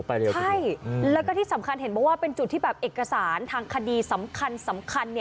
แล้วก็ที่สำคัญเป็นจุดที่แบบเอกสารทางคดีสำคัญ